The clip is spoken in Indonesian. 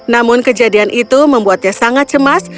namun kejadian itu membuatnya sangat cemas